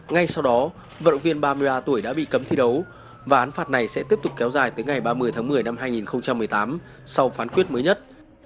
ngay sau đó vận động viên ba mươi ba tuổi đã bị cấm thi đấu và án phạt này sẽ tiếp tục kéo dài tới ngày ba mươi tháng một mươi năm hai nghìn một mươi tám sau phán quyết mới nhất